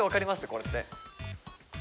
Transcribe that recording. これって。